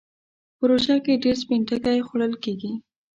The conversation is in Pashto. په روژه کې ډېر سپين ټکی خوړل کېږي.